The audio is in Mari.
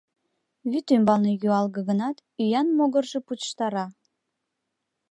Вӱд ӱмбалне юалге гынат, ӱян могыржо пучыштара.